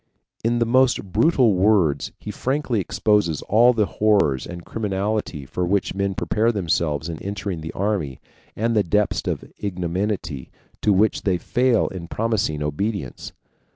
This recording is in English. In the most brutal words he frankly exposes all the horrors and criminality for which men prepare themselves in entering the army, and the depths of ignominy to which they fall in promising obedience.